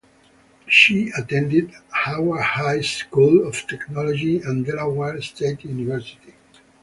She attended Howard High School of Technology and Delaware State University.